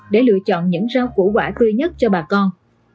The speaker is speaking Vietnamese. để lựa chọn những rau củ quả tươi nhất cho bà con